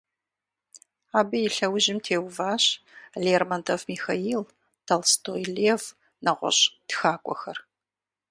Абы и лъэужьым теуващ Лермонтов Михаил, Толстой Лев, нэгъуэщӏ тхакӏуэхэр.